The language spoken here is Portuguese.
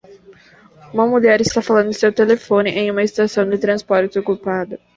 Uma mulher está falando em seu telefone em uma estação de transporte ocupado.